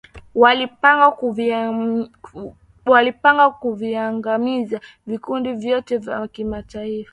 walipanga kuviangamiza vikundi vyote vya kimataifa